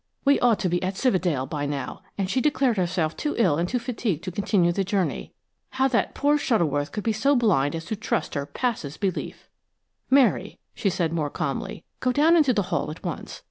"We ought to be at Cividale by now–and she declared herself too ill and too fatigued to continue the journey. How that poor Shuttleworth could be so blind as to trust her passes belief." "Mary," she added more calmly, "go down into the hall at once.